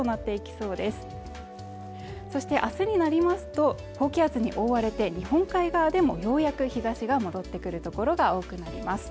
そして明日になりますと高気圧に覆われて日本海側でもようやく日差しが戻ってくるところが多くなります